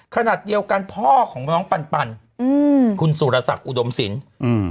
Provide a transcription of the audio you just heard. ขณะเดียวกันพ่อของน้องปันปันอืมคุณสุรศักดิ์อุดมศิลป์อืม